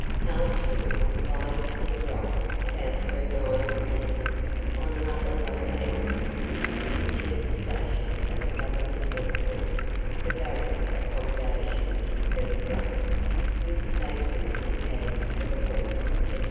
Carlshrue lies to the right, about three miles distant, on rather low land; this is the chief station of the Government escort; the barrack accommodation is first rate, with stabling and paddocks for the horses, &c.